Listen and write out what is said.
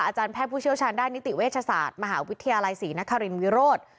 อาจารย์แพทย์ผู้เชี่ยวชาญด้านนิติเวชศาสตร์มหาวิทยาลัยศรีนครินวิโรธ